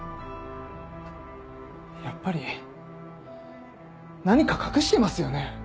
やっぱり何か隠してますよね？